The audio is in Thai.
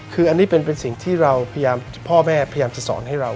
คืออันนี้เป็นสิ่งที่เราพยายามพ่อแม่พยายามจะสอนให้เรา